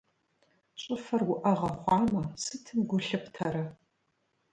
ЩӀыфэр уӀэгъэ хъуамэ, сытым гу лъыптэрэ?